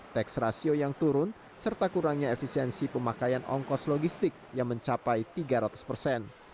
tax ratio yang turun serta kurangnya efisiensi pemakaian ongkos logistik yang mencapai tiga ratus persen